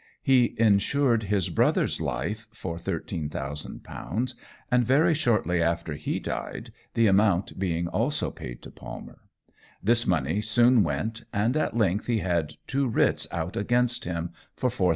He insured his brother's life for £13,000, and very shortly after he died, the amount being also paid to Palmer. This money soon went, and at length he had two writs out against him for £4,000.